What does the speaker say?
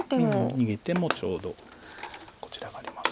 逃げてもちょうどこちらがあります。